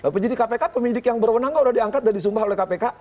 penyidik kpk penyidik yang berwenang kok udah diangkat dan disumbah oleh kpk